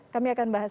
kami akan bahas